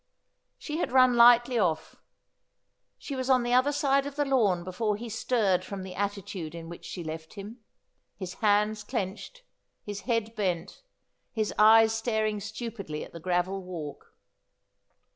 She had run lightly ofi^. She was on the other side of the lawn before he stirred from the attitude in which she left him ; his hands clenched, his head bent, his eyes staring stupidly at the gravel walk.